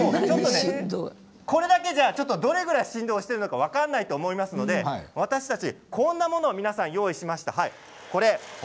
これだけじゃちょっとどのくらい振動しているのか分からないと思いますので、私たちこんなものを用意しました。